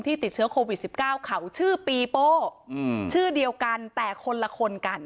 ที่ติดเชื้อโควิดสิบเก้าเขาชื่อปีโป้อืมชื่อเดียวกันแต่คนละคนกัน